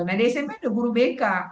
nah di smp udah guru bk